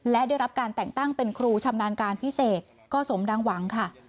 และได้รับการแต่งตั้งเป็นครูชำนาญการพิเศษก็สมดังหวังค่ะ